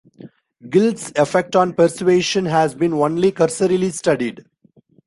Guilt's effect on persuasion has been only cursorily studied.